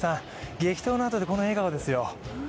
激闘のあとでこの笑顔ですよ。